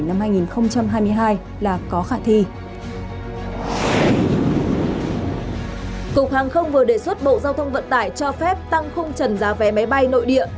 cục hàng không vừa đề xuất bộ giao thông vận tải cho phép tăng khung trần giá vé máy bay nội địa